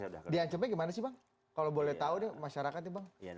diancamnya gimana sih bang kalau boleh tahu deh masyarakat nih bang